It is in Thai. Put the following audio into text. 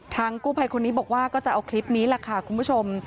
กู้ภัยคนนี้บอกว่าก็จะเอาคลิปนี้แหละค่ะคุณผู้ชม